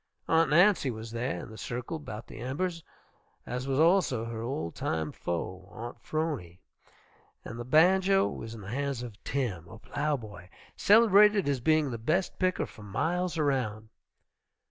Aunt Nancy was there, in the circle about the embers, as was also her old time foe, Aunt 'Phrony, and the banjo was in the hands of Tim, a plow boy, celebrated as being the best picker for miles around.